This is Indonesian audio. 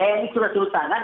ini sudah turun tangan